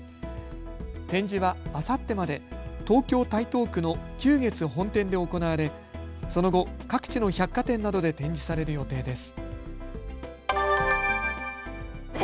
展示はあさってまで東京台東区の久月本店で行われ、その後、各地の百貨店などで展示される予定です。